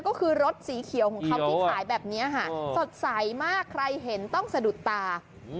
ก็คือรถสีเขียวของเขาที่ขายแบบนี้ค่ะสดใสมากใครเห็นต้องสะดุดตา